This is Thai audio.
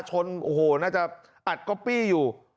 โอ้โหน่าจะอัดก๊อปปี้อยู่